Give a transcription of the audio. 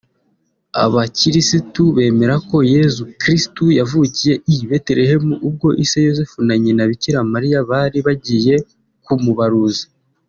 Abakirisitu bemera ko Yezu Krisitu yavukiye I Betelehemu ubwo ise Yozefu na Nyina Bikira Mariya bari bagiye kumubaruza